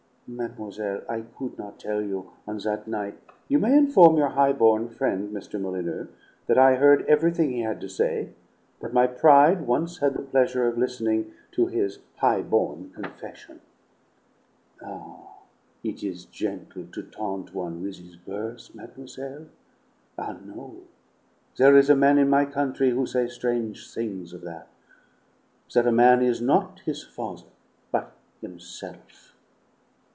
"Mademoiselle, I could not tell you, on that night " "You may inform your high born friend, Mr. Molyneux, that I heard everything he had to say; that my pride once had the pleasure of listening to his high born confession!" "Ah, it is gentle to taunt one with his birth, mademoiselle? Ah, no! There is a man in my country who say strange things of that that a man is not his father, but himself."